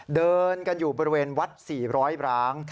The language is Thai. เดินกันอยู่บริเวณวัด๔๐๐ร้าง